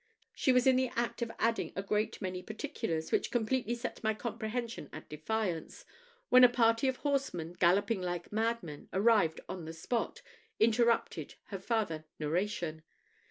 She was in the act of adding a great many particulars, which completely set my comprehension at defiance, when a party of horsemen, galloping like madmen, arriving on the spot, interrupted her farther narration.